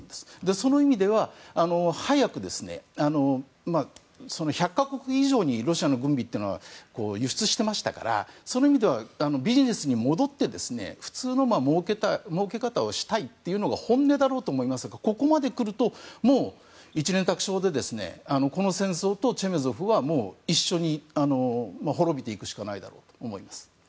その意味では早く１００か国以上にロシアの軍備というのは輸出してましたからその意味では、ビジネスに戻って普通のもうけ方をしたいというのが本音だろうと思いますがここまでくるともう一蓮托生でこの戦争とチェメゾフは一緒に滅びていくしかないだろうと思います。